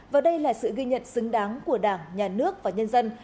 và đây là sự ghi nhận xứng đáng của đảng nhà nước và nhân dân